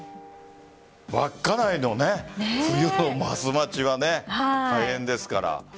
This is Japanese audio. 稚内の冬のバス待ちは大変ですからね。